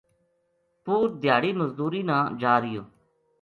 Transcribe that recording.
پوت دھیاڑی مزدوری نا جارہیو